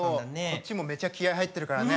こっちもめちゃ気合い入ってるからね。